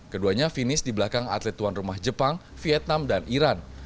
keduanya finish di belakang atlet tuan rumah jepang vietnam dan iran